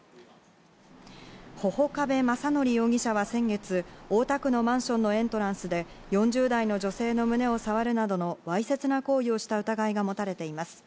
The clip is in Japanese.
波々伯部正規容疑者は先月、大田区のマンションのエントランスで４０代の女性の胸をさわるなどの、わいせつな行為をした疑いが持たれています。